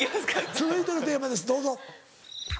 続いてのテーマですどうぞ。